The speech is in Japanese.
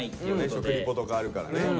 食リポとかあるからね。